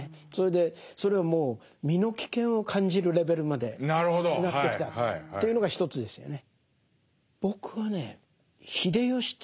それはもう身の危険を感じるレベルまでなってきたというのが一つですよね。